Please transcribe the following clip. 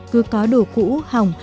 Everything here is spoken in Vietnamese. cứ có đồ cũ hỏng